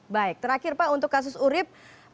baik terakhir pak untuk kasus urib